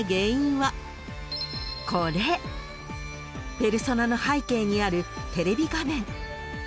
［ペルソナの背景にあるテレビ画面］